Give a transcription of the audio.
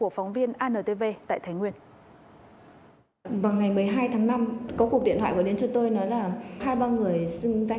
phóng viên antv tại thái nguyên